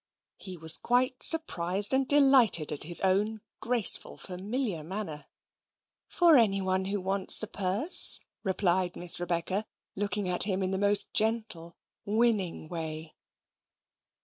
He was quite surprised and delighted at his own graceful familiar manner. "For any one who wants a purse," replied Miss Rebecca, looking at him in the most gentle winning way.